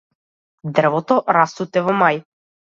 Дрвото расцуте во мај.